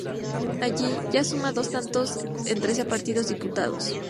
Allí, ya suma dos tantos en trece partidos disputados.